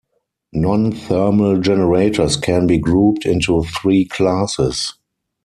Non-thermal generators can be grouped into three classes.